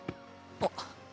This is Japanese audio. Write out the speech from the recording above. あっ。